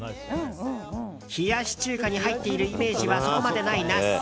冷やし中華に入っているイメージは、そこまでないナス。